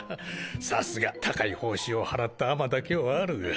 さすが高い報酬を払った尼だけはある。